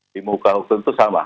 di muka hukum itu sama